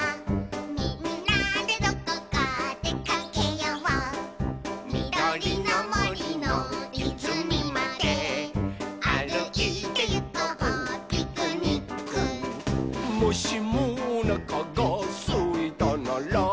「みんなでどこかでかけよう」「みどりのもりのいずみまであるいてゆこうピクニック」「もしもおなかがすいたなら」